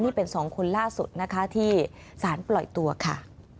นี่เป็น๒คนล่าสุดนะคะที่สารปล่อยตัวค่ะ